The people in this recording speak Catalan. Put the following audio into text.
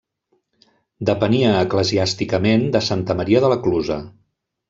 Depenia eclesiàsticament de Santa Maria de la Clusa.